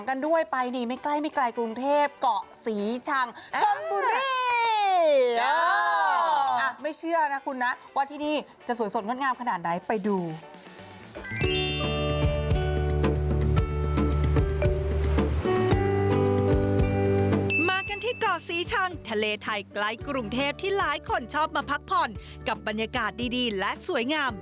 ก็วันนี้ไงเขาลงทะเบียนให้เที่ยวแล้วว่าไปท่องเที่ยวกันแล้วก็ไปขอพรกันได้แบบสมหวังกันด้วย